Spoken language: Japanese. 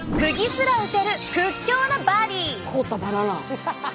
凍ったバナナ！